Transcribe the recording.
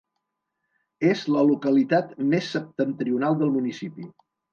És la localitat més septentrional del municipi.